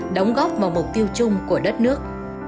đóng góp vào mục tiêu chung của đất nước